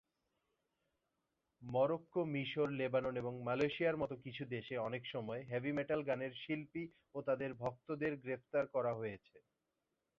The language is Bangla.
মরক্কো, মিশর, লেবানন এবং মালয়েশিয়া-র মতো কিছু দেশে অনেকসময় হেভি মেটাল গানের শিল্পী ও তাদের ভক্তদের গ্রেফতার করা হয়েছে।